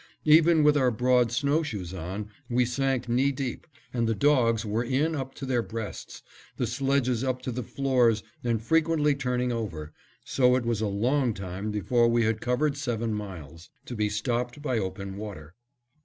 Even with our broad snow shoes on, we sank knee deep, and the dogs were in up to their breasts, the sledges up to the floors and frequently turning over, so it was a long time before we had covered seven miles, to be stopped by open water.